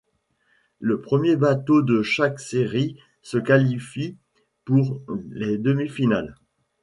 Le premier bateau de chaque série se qualifie pour les demi-finales.